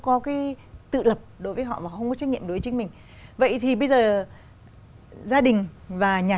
có cái tự lập đối với họ và không có trách nhiệm đối với chính mình vậy thì bây giờ gia đình và nhà